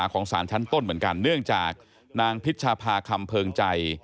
ของสารชั้นต้นเหมือนกันเนื่องจากนางพิชภาคำเพิงใจ